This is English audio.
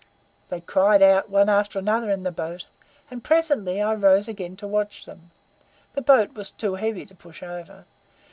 They cried out one after another in the boat, and presently I rose again to watch them. The boat was too heavy to push over.